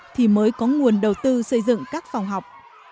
thì mới có nguồn đầu tư xây dựng các phòng học